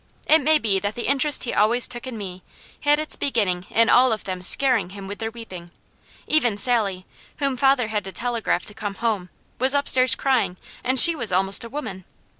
It may be that the interest he always took in me had its beginning in all of them scaring him with their weeping; even Sally, whom father had to telegraph to come home, was upstairs crying, and she was almost a woman.